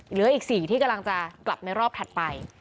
เหลืออีก๔ที่กำลังจะกลับในรอบถัดไป